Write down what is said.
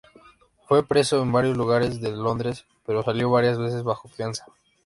Fue preso en varios lugares de Londres, pero salió varias veces bajo fianza.